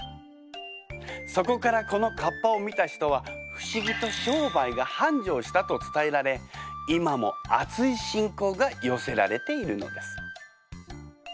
そこからこのかっぱを見た人は不思議と商売が繁盛したと伝えられ今もあつい信仰が寄せられているのです。